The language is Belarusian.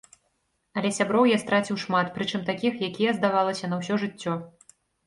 Але сяброў я страціў шмат, прычым такіх, якія, здавалася, на ўсё жыццё.